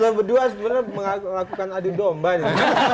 tugas lu berdua sebenarnya melakukan adik domba ya